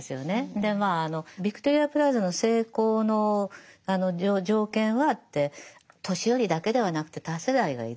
でまああのヴィクトリア・プラザの成功の条件はって年寄りだけではなくて多世代がいる。